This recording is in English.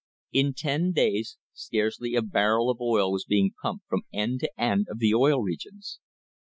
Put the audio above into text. In ten days scarcely a barrel of oil was being pumped from end to end of the Oil Regions.